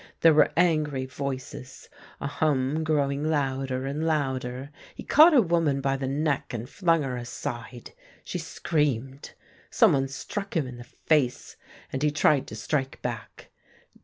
There were angry voices, a hum growing louder and louder. He caught a woman by the neck and flung her aside. She screamed. Someone struck him in the face, and he tried to strike back.